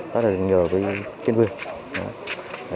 đó là nhờ cái chuyên viên